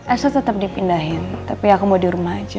esok tetep dipindahin tapi aku mau di rumah aja